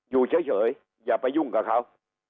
อยู่เฉยอย่าไปยุ่งกับเขา